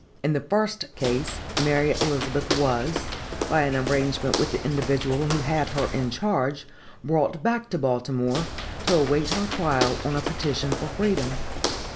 In the first case, Mary Elizabeth was, by an arrangement with the individual who had her in charge, brought back to Baltimore, to await her trial on a petition for freedom.